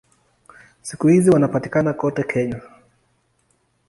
Siku hizi wanapatikana kote Kenya.